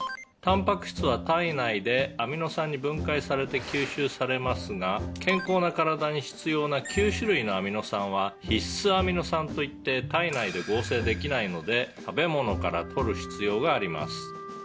「たんぱく質は体内でアミノ酸に分解されて吸収されますが健康な体に必要な９種類のアミノ酸は必須アミノ酸といって体内で合成できないので食べ物から取る必要があります」